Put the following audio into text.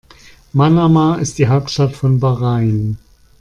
Manama ist die Hauptstadt von Bahrain.